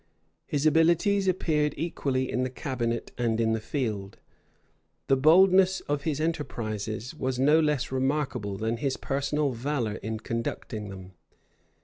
His abilities appeared equally in the cabinet and in the field: the boldness of his enterprises was no less remarkable than his personal valor in conducting them.